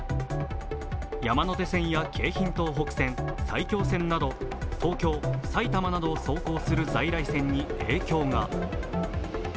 山手線や京浜東北線、埼京線など東京、埼玉などを走行する在来線に影響が。